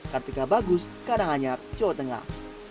kartika bagus karanganyar jawa tengah